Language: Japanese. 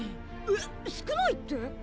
えっ少ないって？